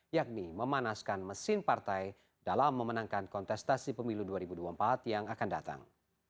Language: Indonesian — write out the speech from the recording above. yakni memanaskan mesin partai dalam memenangkan kontestasi pemilu dua ribu dua puluh empat yang akan datang